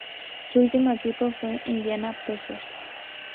Su último equipo fue Indiana Pacers.